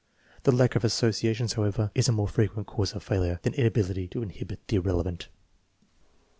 The lack of associations, however, is a more frequent cause of failure than inability to inhibit the irrelevant.